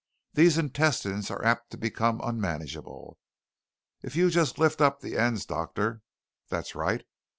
"These intestines are apt to become unmanageable. If you just lift up the ends, doctor. That's right.